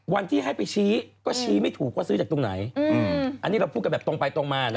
วันที่ให้ไปชี้ก็ชี้ไม่ถูกว่าซื้อจากตรงไหนอันนี้เราพูดกันแบบตรงไปตรงมานะ